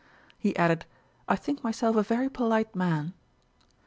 He added, 'I think myself a very polite man.'